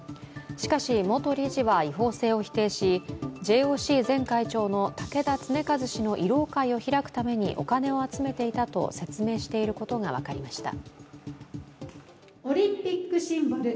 しかし元理事は違法性を否定し、ＪＯＣ前会長の竹田恒和氏の慰労会を開くためにお金を集めていたと説明していることが分かりました。